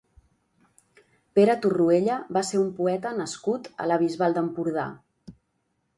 Pere Torroella va ser un poeta nascut a la Bisbal d'Empordà.